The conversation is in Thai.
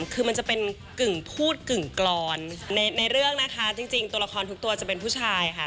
คือมันจะเป็นกึ่งพูดกึ่งกรอนในเรื่องนะคะจริงตัวละครทุกตัวจะเป็นผู้ชายค่ะ